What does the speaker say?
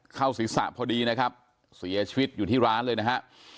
เข้าศีรษะพอดีนะครับเสียชีวิตอยู่ที่ร้านเลยนะฮะ